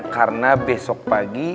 karena besok pagi